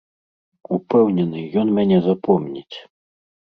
Упэўнены, ён мяне запомніць.